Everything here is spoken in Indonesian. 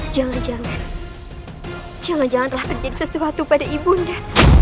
jangan jangan jangan jangan telah terjadi sesuatu pada ibu nda